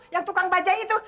yang tukang baja itu